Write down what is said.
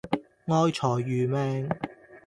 愛財如命